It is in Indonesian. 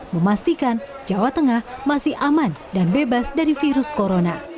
memastikan jawa tengah masih aman dan bebas dari virus corona